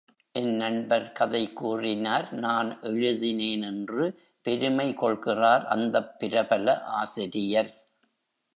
என் நண்பர் கதை கூறினார் நான் எழுதினேன் என்று பெருமை கொள்கிறார் அந்தப் பிரபல ஆசிரியர்.